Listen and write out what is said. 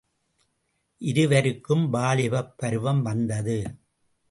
இருவருக்கும் வாலிபப் பருவம் வந்தது.